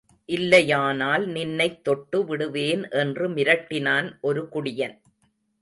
இல்லையானால் நின்னைத்தொட்டு விடுவேன் என்று மிரட்டினான் ஒரு குடியன்.